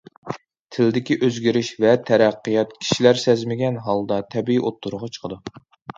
تىلدىكى ئۆزگىرىش ۋە تەرەققىيات كىشىلەر سەزمىگەن ھالدا تەبىئىي ئوتتۇرىغا چىقىدۇ.